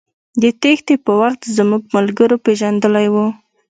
د تېښتې په وخت زموږ ملګرو پېژندلى و.